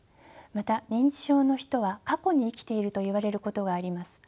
また認知症の人は過去に生きていると言われることがあります。